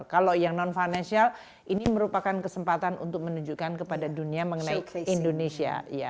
kalau yang non financial ini merupakan kesempatan untuk menunjukkan kepada dunia mengenai indonesia